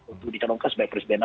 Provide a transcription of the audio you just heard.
untuk dicanonkan sebagai presiden